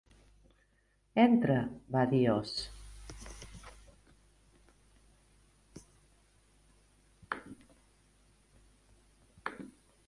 "Entra", va dir Oz.